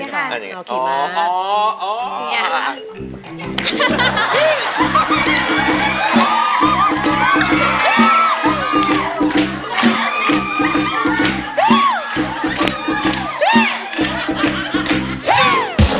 ข้างในก็ได้